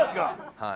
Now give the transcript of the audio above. はい。